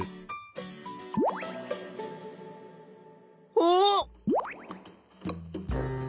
おっ！？